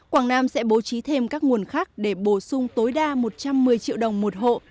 quảng nam sẽ bố trí thêm các nguồn khác để bổ sung tối đa một trăm một mươi triệu đồng một hộ